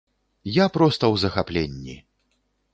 Я проста ў захапленні!